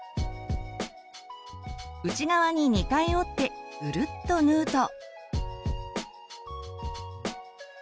内側に２回折ってぐるっと縫うと。